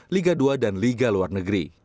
liga dua dan liga luar negeri